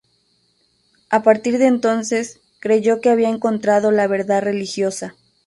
A partir de entonces, creyó que había encontrado la verdad religiosa.